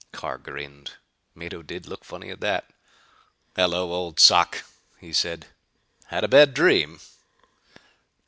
Carr grinned. Mado did look funny at that. "Hello, old sock," he said, "had a bad dream?"